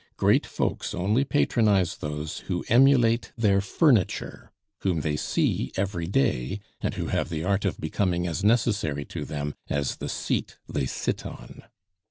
Great folks only patronize those who emulate their furniture, whom they see every day, and who have the art of becoming as necessary to them as the seat they sit on."